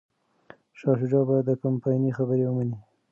شاه شجاع باید د کمپانۍ خبره ومني.